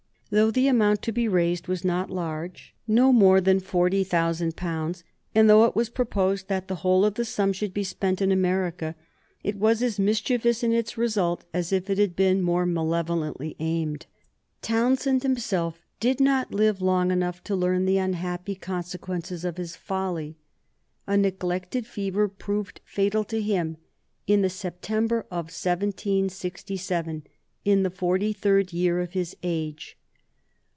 Though the amount to be raised was not large, no more than forty thousand pounds, and though it was proposed that the whole of the sum should be spent in America, it was as mischievous in its result as if it had been more malevolently aimed. [Sidenote: 1766 Death of Townshend] Townshend himself did not live long enough to learn the unhappy consequences of his folly. A neglected fever proved fatal to him in the September of 1767, in the forty third year of his age.